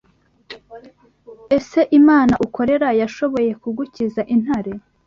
Ese Imana ukorera yashoboye kugukiza intare